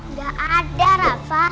nggak ada rafa